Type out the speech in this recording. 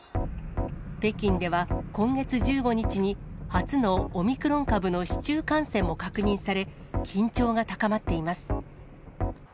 北京では、今月１５日に、初のオミクロン株の市中感染も確認され、緊張が高まっています。